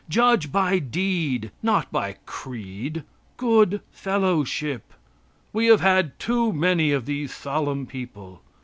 Judge by deed, not by creed, good fellowship. We have had too many of these solemn people.